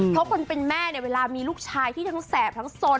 เพราะคนเป็นแม่เนี่ยเวลามีลูกชายที่ทั้งแสบทั้งสน